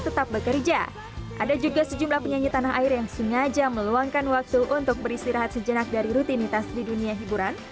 salah satunya adalah penyanyi dangdut ayu ting ting yang sengaja meluangkan momen libur akhir tahun untuk mengisi waktu bersama keluarga